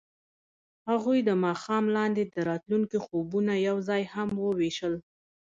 هغوی د ماښام لاندې د راتلونکي خوبونه یوځای هم وویشل.